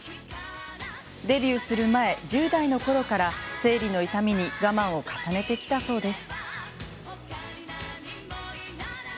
デビューする前１０代のころから生理の痛みに我慢を重ねてきたそうです。